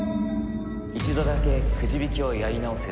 一度だけくじ引きをやり直せる